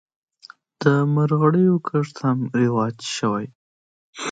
د مرخیړیو کښت هم رواج شوی.